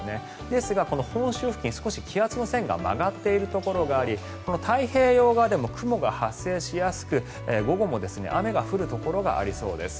ですが、本州付近少し気圧の線が曲がっているところがあり太平洋側でも雲が発生しやすく午後も雨が降るところがありそうです。